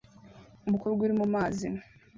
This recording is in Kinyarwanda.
Umukobwa uri mumazi